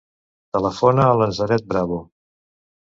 Telefona a la Nazaret Bravo.